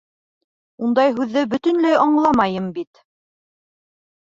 Ундай һүҙҙе бөтөнләй аңламайым бит.